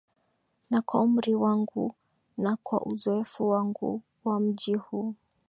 na kwa umri wangu na kwa uzoefu wangu wa mji huu